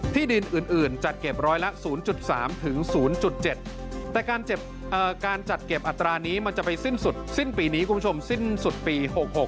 ที่ดินอื่นจัดเก็บร้อยละ๐๓๐๗แต่การจัดเก็บอัตรานี้มันจะไปสิ้นสุดสิ้นปีนี้คุณผู้ชมสิ้นสุดปี๖๖